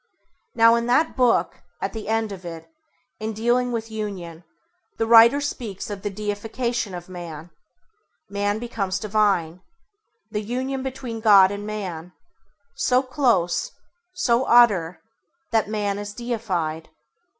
Now in that book, at the end of it, in dealing with Union, the writer speaks of the deification of man, man become divine, the union between God and man, so close, so utter, that man is deified.